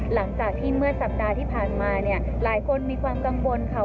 หลังจากที่เมื่อส๗๓มาเนี้ยหลายคนมีความกังวลค่ะ